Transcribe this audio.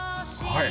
はい？